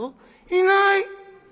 「いない！